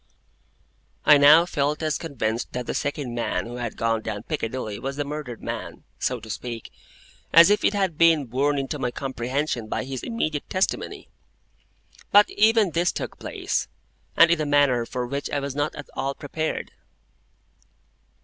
I now felt as convinced that the second man who had gone down Piccadilly was the murdered man (so to speak), as if it had been borne into my comprehension by his immediate testimony. But even this took place, and in a manner for which I was not at all prepared.